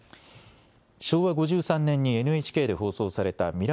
昭和５３年にＮＨＫで放送された未来